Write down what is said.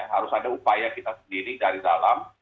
harus ada upaya kita sendiri dari dalam